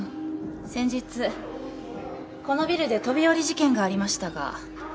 先日このビルで飛び降り事件がありましたが。